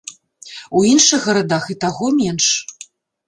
У іншых гарадах і таго менш.